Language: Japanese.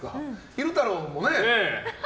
昼太郎もね。